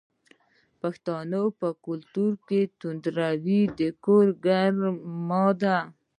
د پښتنو په کلتور کې تندور د کور ګرمي ده.